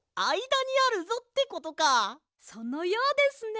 そのようですね。